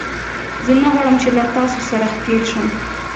زه نه غواړم چې له تاسو سره ښکېل شم